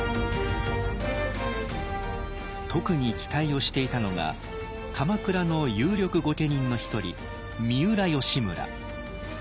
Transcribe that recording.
特に期待をしていたのが鎌倉の有力御家人の一人三浦義村。